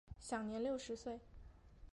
享年六十岁。